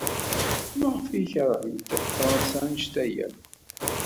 Maɣef ay keṛhent Fṛansa anect-a akk?